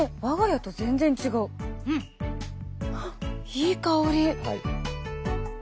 いい香り！